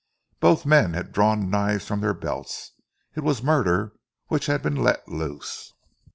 Both men had drawn knives from their belts. It was murder which had been let loose.